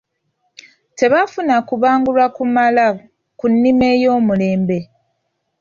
Tebaafuna kubangulwa kumala ku nnima ey’omulembe.